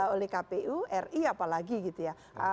oleh kpu ri apalagi gitu ya